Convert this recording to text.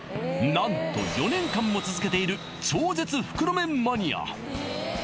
何と４年間も続けている超絶袋麺マニア